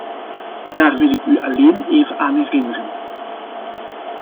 Daar wil ik u alleen even aan herinneren.